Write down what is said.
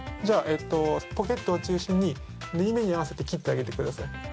じゃあポケットを中心に縫い目に合わせて切ってあげてください。